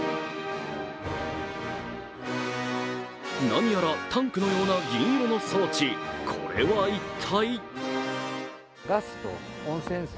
何やらタンクのような銀色の装置、これは一体？